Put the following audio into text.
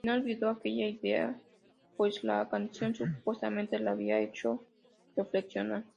Al final, olvidó aquella idea, pues la canción supuestamente le había hecho reflexionar.